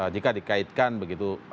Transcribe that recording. jika dikaitkan begitu